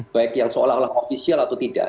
baik yang seolah olah ofisial atau tidak